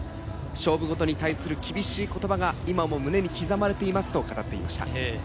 勝負事に対する厳しい言葉が今も胸に刻まれていますと語っていました。